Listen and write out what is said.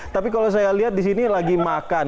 tapi kalau saya lihat di sini lagi makan